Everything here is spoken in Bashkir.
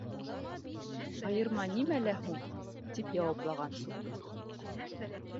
— Айырма нимәлә һуң? — тип яуаплаған суфый.